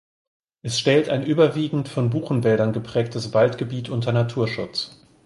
Es stellt ein überwiegend von Buchenwäldern geprägtes Waldgebiet unter Naturschutz.